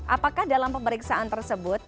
apakah dalam pemeriksaan tersebut